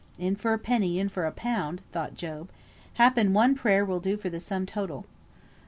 "In for a penny, in for a pound," thought Job. "Happen one prayer will do for the sum total.